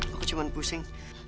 aku cuman pusing